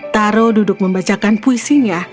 taro duduk membacakan puisinya